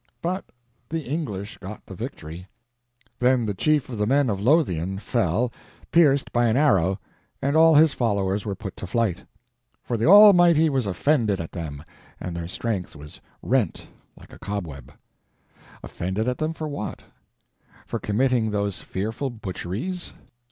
But the English got the victory. Then the chief of the men of Lothian fell, pierced by an arrow, and all his followers were put to flight. For the Almighty was offended at them and their strength was rent like a cobweb. Offended at them for what? For committing those fearful butcheries?